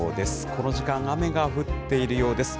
この時間、雨が降っているようです。